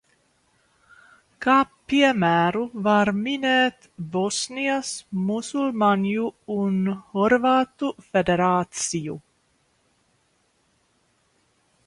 Kā piemēru var minēt Bosnijas Musulmaņu un horvātu federāciju.